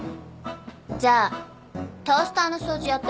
じゃあトースターの掃除やってもらえる？